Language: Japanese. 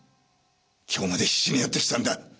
今日まで必死にやってきたんだ。